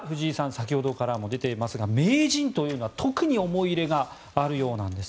先ほどからも出ていますが名人というのは特に思い入れがあるようなんです。